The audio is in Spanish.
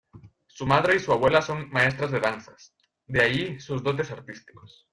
Su madre y su abuela son maestras de danzas, de ahí sus dotes artísticos.